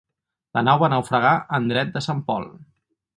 La nau va naufragar en dret de Sant Pol.